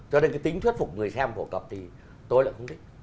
cho nên cái tính thuyết phục người xem phổ cập thì tôi lại không thích